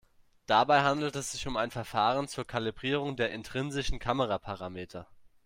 Dabei handelt es sich um ein Verfahren zur Kalibrierung der intrinsischen Kameraparameter.